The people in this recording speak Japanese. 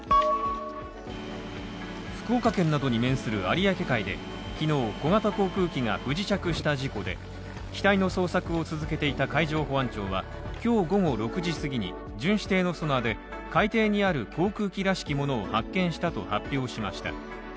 福岡県などに面する有明海で、昨日小型航空機が不時着した事故で機体の捜索を続けていた海上保安庁は今日午後６時過ぎに、巡視艇のソナーで海底にある航空機らしきものを発見したと発表しました。